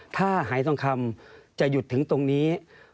ถ้าหายทองคำจะหยุดถึงตรงนี้